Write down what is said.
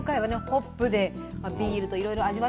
ホップでビールといろいろ味わって頂きました。